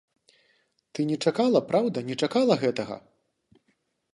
Ты не чакала, праўда, не чакала гэтага?